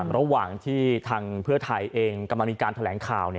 ระหว่างที่ทางเพื่อไทยเองกำลังมีการแถลงข่าว